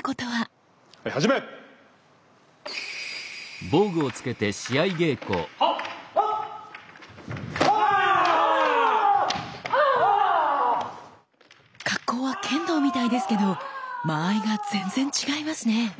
格好は剣道みたいですけど間合いが全然違いますね！